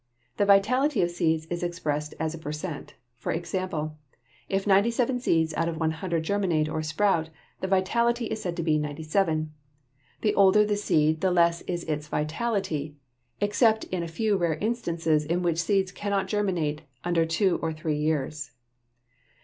The vitality of seeds is expressed as a per cent; for example, if 97 seeds out of 100 germinate, or sprout, the vitality is said to be 97. The older the seed the less is its vitality, except in a few rare instances in which seeds cannot germinate under two or three years.